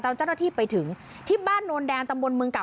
ตอนเจ้าหน้าที่ไปถึงที่บ้านโนนแดงตำบลเมืองเก่า